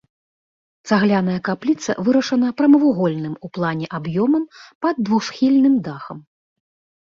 Цагляная капліца вырашана прамавугольным у плане аб'ёмам пад двухсхільным дахам.